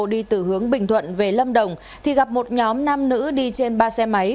đi từ hướng bình thuận về lâm đồng thì gặp một nhóm nam nữ đi trên ba xe máy